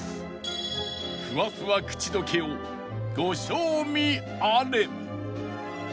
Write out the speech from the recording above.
［ふわふわ口どけをご賞味あれ］